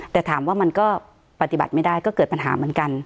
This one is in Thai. แต่ถามว่ามันก็ปฏิบัติไม่ได้ก็เกิดปัญหาเหมือนกัน